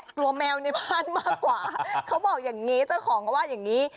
แมวในบ้านมากกว่าเขาบอกอย่างนี้เจ้าของก็ว่าอย่างนี้